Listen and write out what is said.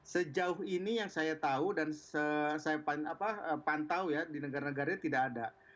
sejauh ini yang saya tahu dan saya pantau ya di negara negaranya tidak ada